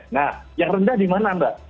nah yang rendah dimana mbak